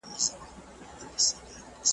وینم د زمان په سرابو کي نړۍ بنده ده